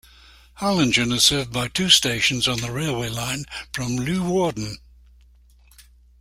Harlingen is served by two stations on the railway line from Leeuwarden.